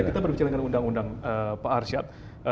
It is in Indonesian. kita berbicara dengan undang undang pak arsyad